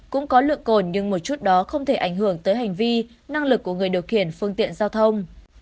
cũng có lượng cồn nhưng một chút đó không thể ảnh hưởng tới hành vi năng lực của người điều khiển phương tiện giao thông